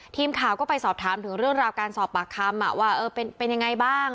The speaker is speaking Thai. ทีมข่าวก็ไปสอบถามถึงเรื่องราวการสอบปากคำว่าเป็นยังไงบ้าง